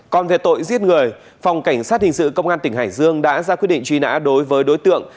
còn về tội giết người phòng cảnh sát hình sự công an tỉnh hải dương đã ra quyết định truy nã đối với đối tượng